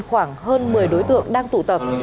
khoảng hơn một mươi đối tượng đang tụ tập